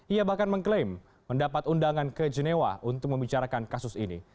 ia bahkan mengklaim mendapat undangan ke genewa untuk membicarakan kasus ini